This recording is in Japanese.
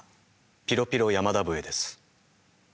ピロピロ山田笛です。